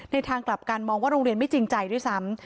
ทางกลับกันมองว่าโรงเรียนไม่จริงใจด้วยซ้ำ